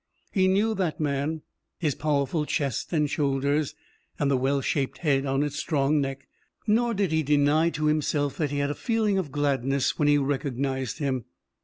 He knew that man, his powerful chest and shoulders, and the well shaped head on its strong neck. Nor did he deny to himself that he had a feeling of gladness when he recognized him.